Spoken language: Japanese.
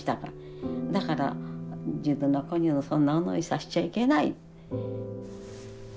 だから自分の子にもそんな思いさしちゃいけない。